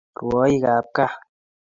Rwoik ab kaa